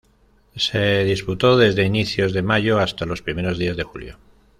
Se disputó desde inicios de Mayo hasta los primeros días de Julio.